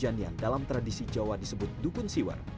aksi pawang hujan yang dalam tradisi jawa disebut dukun siwer